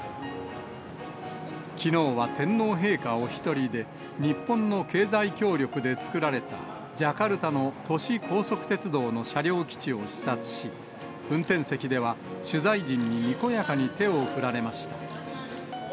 きのうは天皇陛下お一人で日本の経済協力で作られた、ジャカルタの都市高速鉄道の車両基地を視察し、運転席では取材陣ににこやかに手を振られました。